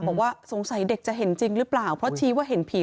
บอกว่าสงสัยเด็กจะเห็นจริงหรือเปล่าเพราะชี้ว่าเห็นผี